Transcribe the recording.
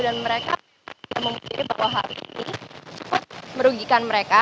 dan mereka memikirkan bahwa hal ini cukup merugikan mereka